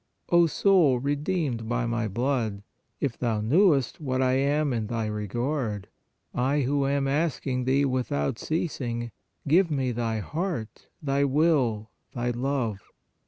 " O soul redeemed by My blood, 176 PRAYER if thou knewest what I am in thy regard, I who am asking thee without ceasing: give Me thy heart, thy will, thy love